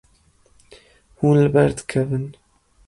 Hûn li ber dikevin.